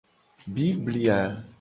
Biblia.